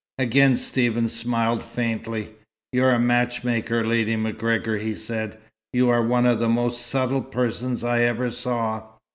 Again Stephen smiled faintly. "You're a matchmaker, Lady MacGregor," he said. "You are one of the most subtle persons I ever saw."